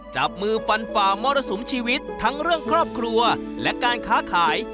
จับมือฟันฝ่ามรสุมชีวิตทั้งเรื่องครอบครัวและการค้าขาย